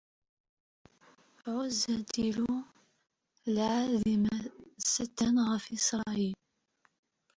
Ɛuzzet Illu! Lɛaḍima-s attan ɣef Isṛayil.